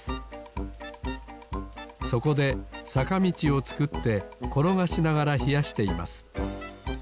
そこでさかみちをつくってころがしながらひやしています。